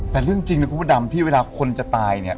แต่เรื่องจริงนะคุณพระดำที่เวลาคนจะตายเนี่ย